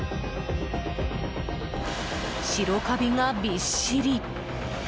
白カビがびっしり。